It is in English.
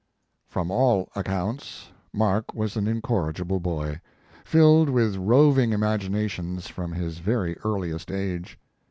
23 From all accounts Mark was an incor rigible boy, filled with roving imaginations from his very earliest age.